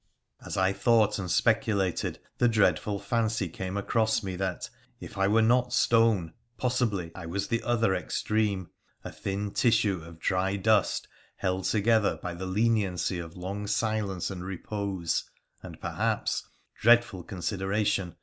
As I thought and speculated, the dreadful fancy came across me that, if I were not stone, possibly I was the other extreme — a thin tissue of dry dust held together by the leniency of long silence and repose, and perhaps — dreadful consideration